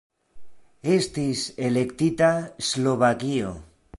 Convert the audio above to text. Estis elektita Slovakio.